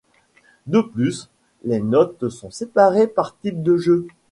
De plus, les notes sont séparées par type de jeu.